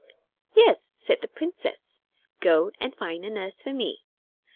"Yes," said the princess. "Go and find a nurse for me."